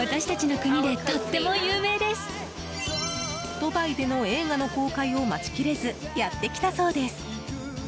ドバイでの映画の公開を待ち切れずやってきたそうです。